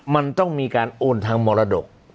มันต้องมีการโอนทางมรดก